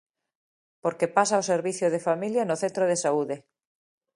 Porque pasa ao servizo de familia no centro de saúde.